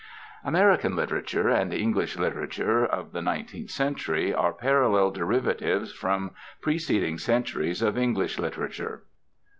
American literature and English literature of the nineteenth century are parallel derivatives from preceding centuries of English literature.